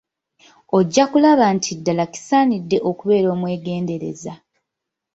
Ojja kulaba nti ddala kisaanidde okubeera omwegendereza.